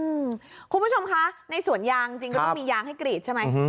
คุณผู้ชมคะในสวนยางจริงก็ต้องมียางให้กรีดใช่ไหม